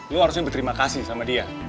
lo harusnya berterima kasih sama dia